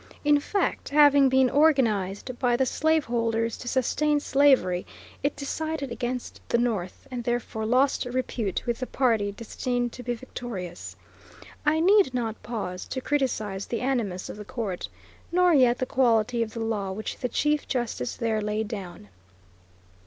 In fact, having been organized by the slaveholders to sustain slavery, it decided against the North, and therefore lost repute with the party destined to be victorious. I need not pause to criticise the animus of the Court, nor yet the quality of the law which the Chief Justice there laid down.